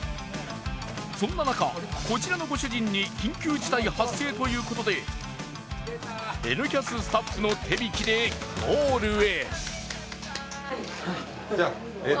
そんな中、こちらのご主人に緊急事態発生ということで「Ｎキャス」スタッフの手引きでゴールへ。